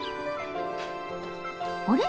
あれ？